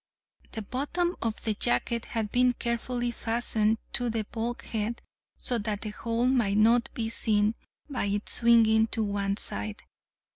The bottom of the jacket had been carefully fastened to the bulkhead, so that the hole might not be seen by its swinging to one side.